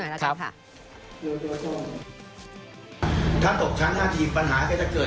บาทนาขับแม่ว่าจะเป็นเด็กตกขาด